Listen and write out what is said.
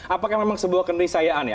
apakah memang sebuah kenisayaan ya